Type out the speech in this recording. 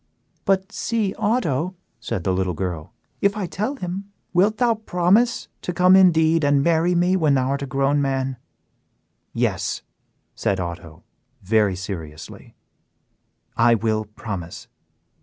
"But see, Otto," said the little girl, "if I tell him, wilt thou promise to come indeed and marry me when thou art grown a man?" "Yes," said Otto, very seriously, "I will promise."